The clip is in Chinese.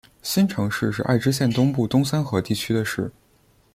新城市是爱知县东部东三河地区的市。